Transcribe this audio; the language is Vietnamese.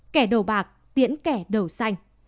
kẻ đầu bạc tiễn kẻ đầu xanh